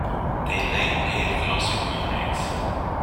They lay pale glossy green eggs.